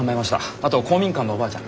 あと公民館のおばあちゃん。